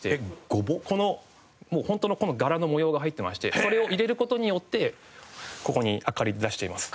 もう本当のこの柄の模様が入ってましてそれを入れる事によってここに明かりで出しています。